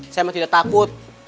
saya emang tidak takut